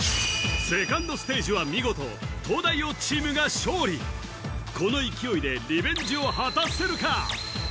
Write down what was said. セカンドステージは見事東大王チームが勝利この勢いでリベンジを果たせるか？